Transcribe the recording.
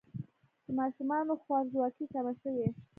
د ماشومانو خوارځواکي کمه شوې؟